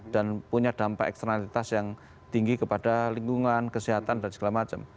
dan punya dampak eksternalitas yang tinggi kepada lingkungan kesehatan dan segala macam